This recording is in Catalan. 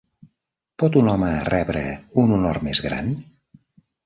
Pot un home rebre un honor més gran?